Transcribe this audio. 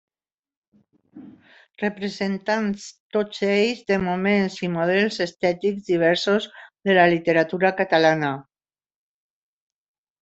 Representants tots ells de moments i models estètics diversos de la literatura catalana.